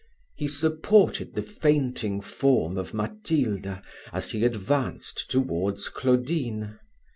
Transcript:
He supported the fainting form of Matilda as he advanced towards Claudine.